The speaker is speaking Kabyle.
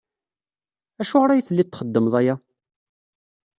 Acuɣer ay telliḍ txeddmeḍ aya?